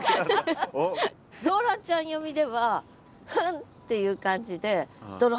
ローランちゃん読みでは「フン！」っていう感じで泥跳ねたって。